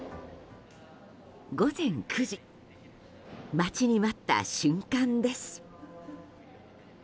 午前９時待ちに待った瞬間です。